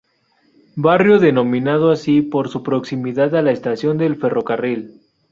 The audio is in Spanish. Barrio denominado así por su proximidad a la estación del ferrocarril.